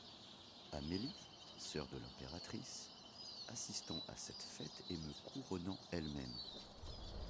Amélie, soeur de l'impératrice, assistant à cette fête et me couronnant elle-même.